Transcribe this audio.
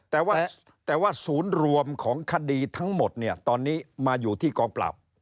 แต่ว่าแต่ว่าศูนย์รวมของคดีทั้งหมดเนี่ยตอนนี้มาอยู่ที่กองปราบ